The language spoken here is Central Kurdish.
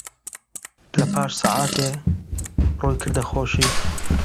لەپاش سەعاتێ ڕووی کردە خۆشی